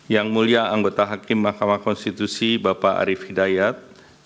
yang mulia anggota hakim mahkamah konstitusi bapak arief hidayat